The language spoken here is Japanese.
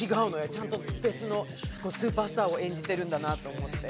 ちゃんと別のスーパースターを演じてるんだなと思って。